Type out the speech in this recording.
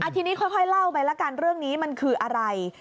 ทีนี้ค่อยเล่าไปละกันเรื่องนี้มันคืออะไร